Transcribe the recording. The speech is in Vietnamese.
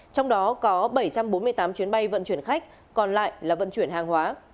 trong đó có bảy trăm bốn mươi tám chuyến bay vận chuyển khách còn lại là vận chuyển hàng hóa